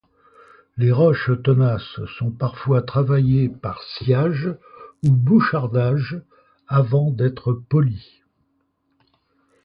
Les roches tenaces sont parfois travaillées par sciage ou bouchardage avant d’être polies.